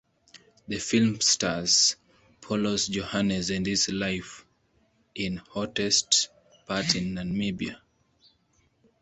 The film stars Paulus Johannes and his life in hottest parts in Namibia.